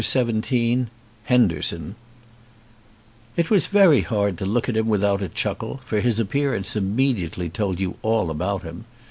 65 XVII HENDERSON IT was very hard to look at him without a chuckle, for his appearance immediately told you all about him.